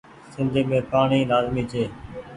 سندي مين پآڻيٚ لآزمي ڇي۔